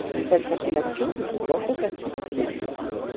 Cette compilation ne comporte aucun titre inédit.